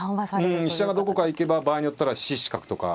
うん飛車がどこか行けば場合によったら７七角とか。